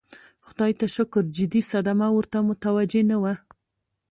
خدای ته شکر جدي صدمه ورته متوجه نه وه.